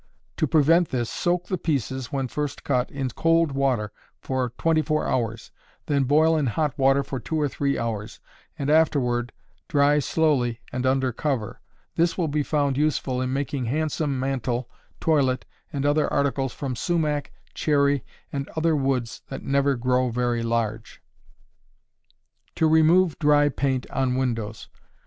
To prevent this, soak the pieces, when first cut, in cold water for 24 hours, then boil in hot water for two or three hours, and afterward dry slowly and under cover. This will be found useful in making handsome mantel, toilet, and other articles from sumac, cherry, and other woods that never grow very large. _To Remove Dry Paint on Windows.